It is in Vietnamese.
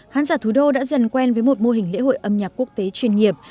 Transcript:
khán giả thủ đô đã dần quen với một mô hình lễ hội âm nhạc quốc tế chuyên nghiệp